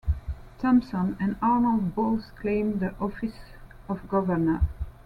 Thompson and Arnall both claimed the office of governor.